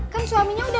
kan suaminya udah dosen